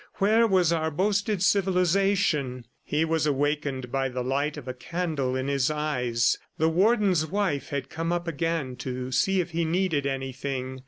Where was our boasted civilization? ... He was awakened by the light of a candle in his eyes. The Warden's wife had come up again to see if he needed anything.